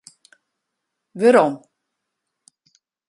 Werom.